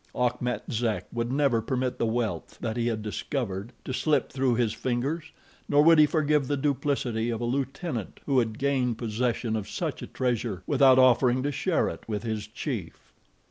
Achmet Zek would never permit the wealth that he had discovered to slip through his fingers, nor would he forgive the duplicity of a lieutenant who had gained possession of such a treasure without offering to share it with his chief.